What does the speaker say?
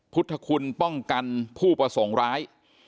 พุทธคุณป้องกันผู้ประสงค์ร้าย